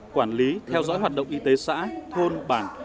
quản lý theo dõi hoạt động y tế xã thôn bản